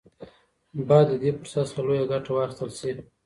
باید له دې فرصت څخه لویه ګټه واخیستل شي.